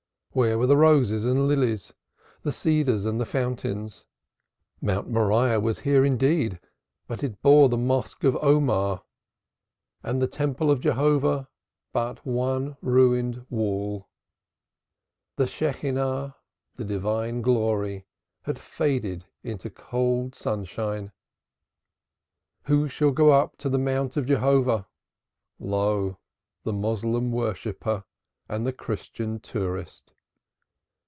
Where were the roses and lilies, the cedars and the fountains? Mount Moriah was here indeed, but it bore the Mosque of Omar, and the Temple of Jehovah was but one ruined wall. The Shechinah, the Divine Glory, had faded into cold sunshine. "Who shall go up into the Mount of Jehovah." Lo, the Moslem worshipper and the Christian tourist.